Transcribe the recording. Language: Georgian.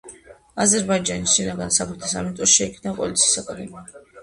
აზერბაიჯანის შინაგან საქმეთა სამინისტროში შეიქმნა პოლიციის აკადემია.